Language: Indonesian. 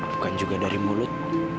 bukan juga dari mulut